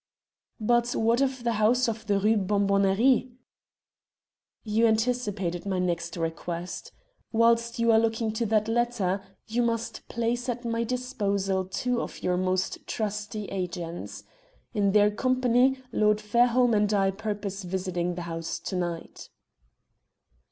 "But what of the house of the Rue Bonbonnerie?" "You anticipated my next request. Whilst you are looking to that letter you must place at my disposal two of your most trusty agents. In their company Lord Fairholme and I purpose visiting the house to night."